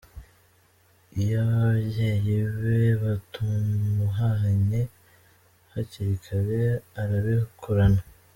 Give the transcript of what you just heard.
Iyo ababyeyi be batamuhannye hakiri kare arabikurana.